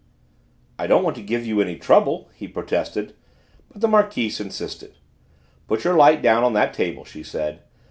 "I don't want to give you any trouble," he protested, but the Marquise insisted. "Put your light down on that table," she said.